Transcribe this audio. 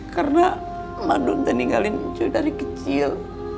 karena madun tuh meninggalin cuy dari kecil